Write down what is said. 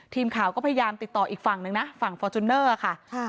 ทีมข่าวก็พยายามติดต่ออีกฝั่งนึงนะฝั่งฟอร์จูเนอร์ค่ะ